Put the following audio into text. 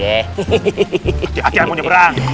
hati hati anggungnya berang